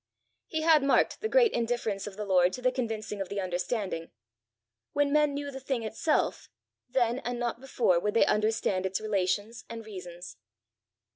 He had marked the great indifference of the Lord to the convincing of the understanding: when men knew the thing itself, then and not before would they understand its relations and reasons!